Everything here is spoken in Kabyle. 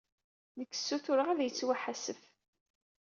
Nekk ssutureɣ ad yettwaḥasef.